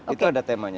itu ada temanya